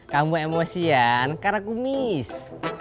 kamu emosian karena kumis